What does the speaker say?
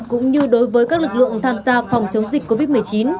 cũng như đối với các lực lượng tham gia phòng chống dịch covid một mươi chín